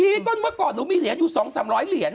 ทีก่อนเมื่อก่อนหนูมีเหรียญอยู่สองสามร้อยเหรียญ